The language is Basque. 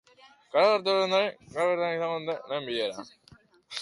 Kargua hartu ondoren, gaur bertan egingo dute lehen bilera.